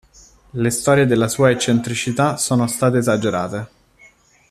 Le storie della sua eccentricità sono state esagerate.